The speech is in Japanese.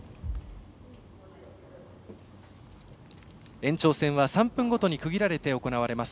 延長戦は３分ごとに区切られて行われます。